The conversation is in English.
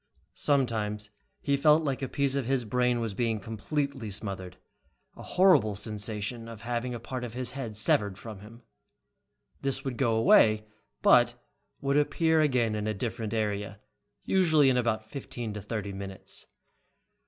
Sometimes he felt like a piece of his brain was being completely smothered, a horrible sensation of having a part of his head severed from him. This would go away, but would appear again in a different area, usually in about fifteen to thirty minutes.